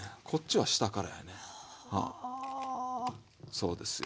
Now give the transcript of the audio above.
そうですよ。